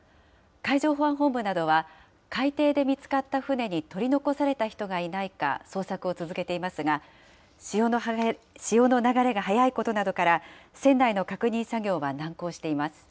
海上保安本部などは、海底で見つかった船に取り残された人がいないか、捜索を続けていますが、潮の流れが速いことなどから、船内の確認作業は難航しています。